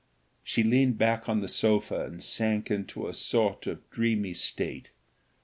She leaned back on the sofa, and sank into a sort of dreamy state.